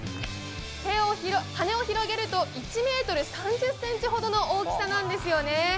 羽を広げると１ｍ３０ｃｍほどの大きさなんですよね。